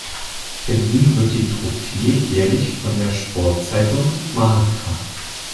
Verliehen wird die Trophäe jährlich von der Sportzeitung "Marca".